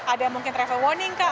ada mungkin travel warning kak